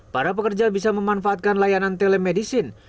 para pekerja bisa memanfaatkan layanan telemedicine